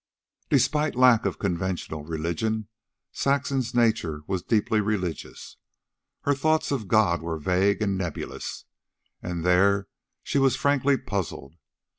Despite lack of conventional religion, Saxon's nature was deeply religious. Her thoughts of God were vague and nebulous, and there she was frankly puzzled.